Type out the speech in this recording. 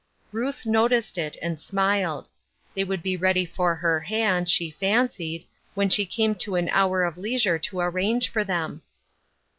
Ruth noticed it, and smiled. They would be ready for her hand, she fancied, when she came to an hour of leisure to arrange for them.